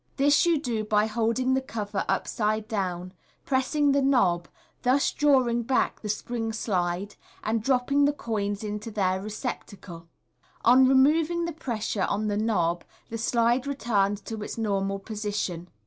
This you do by holding the cover upside down, press ing the knob (thus drawing back the spring slide), and dropping the coins into their receptacle. On removing the pressure on the knob. the slide returns to its normal position.